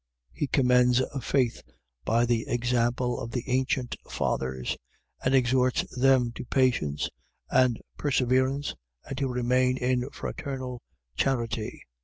He commends faith by the example of the ancient fathers: and exhorts them to patience and perseverance and to remain in fraternal charity.